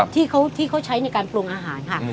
ที่เขาใช้ในการปรุงอาหารค่ะ